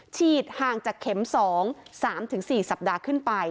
ฉีดห่างจากเข็ม๒๓๔สัปดาห์ขึ้นไป